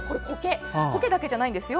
「苔」だけじゃないんですよ。